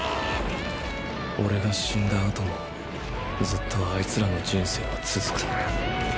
オレが死んだ後もずっとあいつらの人生は続く。